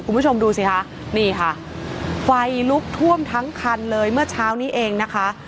คุณผู้ชมดูสิคะนี่ค่ะไฟลุกท่วมทั้งคันเลยเมื่อเช้านี้เองนะคะ